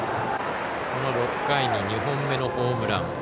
この６回に２本目のホームラン。